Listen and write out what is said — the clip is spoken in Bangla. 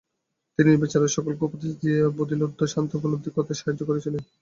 তিনি নির্বিচারে সকলকেই উপদেশ দিয়ে বোধিলব্ধ শান্তি উপলব্ধি করতে তাদের সাহায্য করেছিলেন।